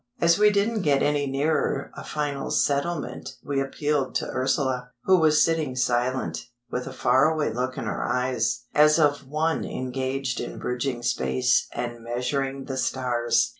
As we didn't get any nearer a final settlement we appealed to Ursula, who was sitting silent, with a far away look in her eyes, as of one engaged in bridging space and measuring the stars.